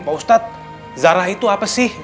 pak ustadz zara itu apa sih